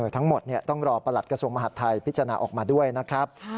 ทั้งหมดต้องรอประหลัดกระทรวงมหาดไทยพิจารณาออกมาด้วยนะครับ